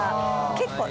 結構。